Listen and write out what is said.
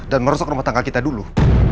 merusak rumah tangga kita dulu